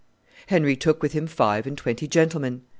Henry took with him five and twenty gentlemen.